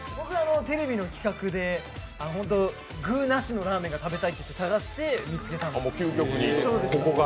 テレビの規格で具なしのラーメンが食べたいと言って探したんです。